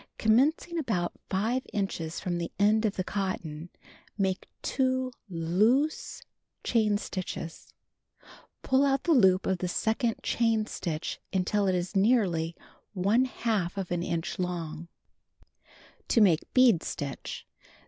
Commencing about 5 inches from the end of the cotton, make 2 loose chain stitches. Pull out the loop of the second chain stitch until it is nearly | inch long. 254 Knitting and Crocheting Book To Make Bead Stitch: 3.